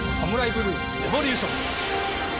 ブルーエボリューション。